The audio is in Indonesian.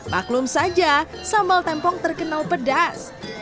maklum saja sambal tempong terkenal pedas